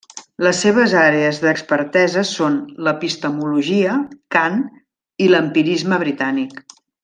Les seves àrees d'expertesa són l'epistemologia, Kant i l'empirisme britànic.